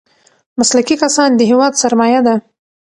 مسلکي کسان د هېواد سرمايه ده.